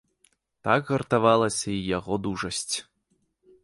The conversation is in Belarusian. Так гартавалася і яго дужасць.